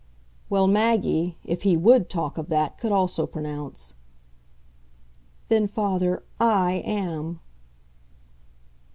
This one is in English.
Well, Maggie, if he WOULD talk of that, could also pronounce. "Then, father, I am."